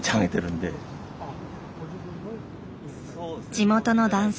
地元の男性。